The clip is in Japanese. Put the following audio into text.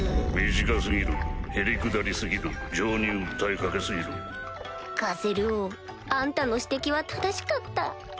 短過ぎるへりくだり過ぎる情に訴えかガゼル王あんたの指摘は正しかった